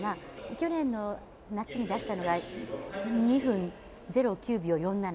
去年の夏に出したのが、２分０９秒４７。